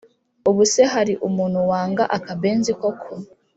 Ubuse hari umuntu wanga akabenzi koko